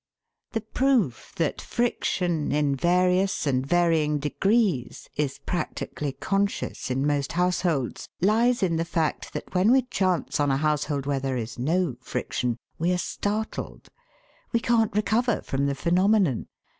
The proof that friction, in various and varying degrees, is practically conscious in most households lies in the fact that when we chance on a household where there is no friction we are startled. We can't recover from the phenomenon.